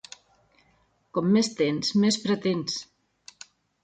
Com més tens, més pretens.